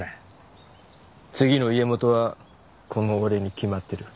次の家元はこの俺に決まってる。